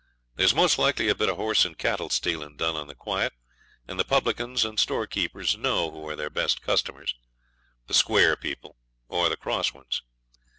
There's most likely a bit of horse and cattle stealing done on the quiet, and the publicans and storekeepers know who are their best customers, the square people or the cross ones.